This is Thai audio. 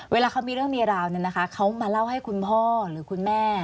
เวลาเขามีเรื่องมีราวเนี่ยนะคะเขามาเล่าให้คุณพ่อหรือคุณแม่